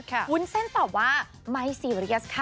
วุ้นเส้นตอบว่าไม่ซีเรียสค่ะ